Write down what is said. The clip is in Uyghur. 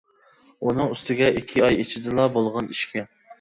ئۇنىڭ ئۈستىگە ئىككى ئاي ئىچىدىلا بولغان ئىشكەن.